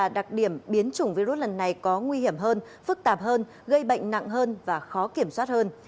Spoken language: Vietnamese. đặc điểm biến chủng virus lần này có nguy hiểm hơn phức tạp hơn gây bệnh nặng hơn và khó kiểm soát hơn